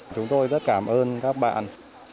chúng tôi rất cảm ơn các bạn